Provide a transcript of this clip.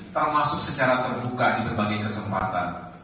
termasuk secara terbuka di berbagai kesempatan